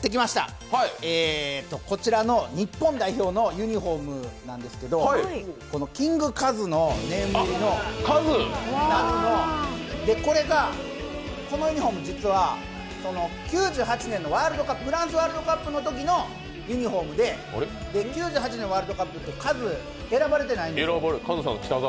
こちらの日本代表のユニフォームなんですけどキングカズのネーム入りのこのユニフォーム、実は９８年のフランス・ワールドカップのときのユニフォームで９８年のワールドカップって、カズは選ばれてないんです。